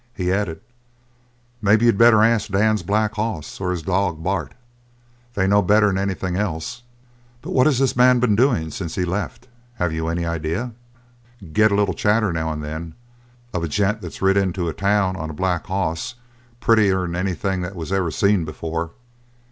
He added: "Maybe you'd better ask Dan's black hoss or his dog, Bart. They'd know better'n anything else." "But what has the man been doing since he left? Have you any idea?" "Get a little chatter, now and then, of a gent that's rid into a town on a black hoss, prettier'n anything that was ever seen before.